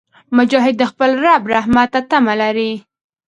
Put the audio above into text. مجاهد د خپل رب رحمت ته تمه لري.